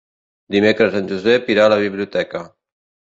Dimecres en Josep irà a la biblioteca.